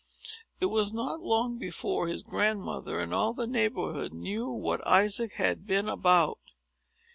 It was not long before his grandmother, and all the neighborhood, knew what Isaac had been about.